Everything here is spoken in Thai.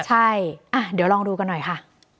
ใช่เดี๋ยวลองดูกันหน่อยค่ะ